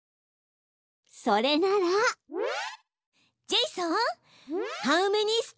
それならジェイソン！